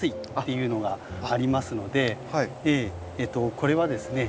これはですね